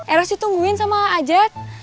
eros ditungguin sama ajat